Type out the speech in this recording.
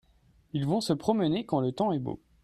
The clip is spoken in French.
ils vont se promener quand le temps est beau.